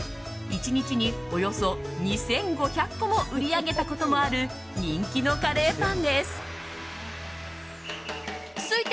１日におよそ２５００個も売り上げたこともある人気のカレーパンです。